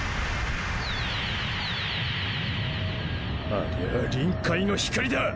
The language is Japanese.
ありゃあ臨界の光だ。